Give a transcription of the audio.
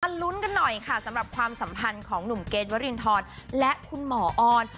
ลุ้นกันหน่อยค่ะสำหรับความสัมพันธ์ของหนุ่มเกรทวรินทรและคุณหมอออน